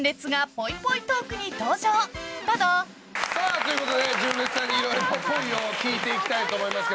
ということで、純烈さんにいろいろ、っぽいを聞いていきたいと思いますが。